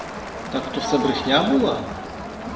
Так то все брехня була?